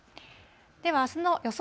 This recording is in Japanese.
ではあすの予想